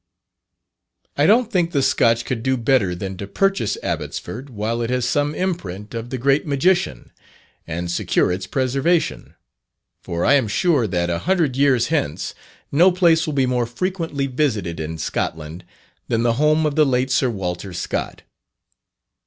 I don't think the Scotch could do better than to purchase Abbotsford, while it has some imprint of the great magician, and secure its preservation; for I am sure that, a hundred years hence, no place will be more frequently visited in Scotland than the home of the late Sir Walter Scott.